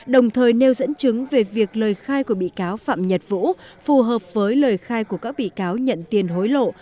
đồng thời nêu dẫn chứng về việc lời khai của bị cáo phạm nhật vũ phù hợp với lời khai của các bị cáo nhận tiền hối lộ